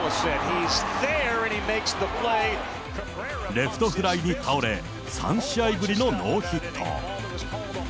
レフトフライに倒れ、３試合ぶりのノーヒット。